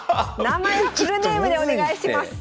名前はフルネームでお願いします。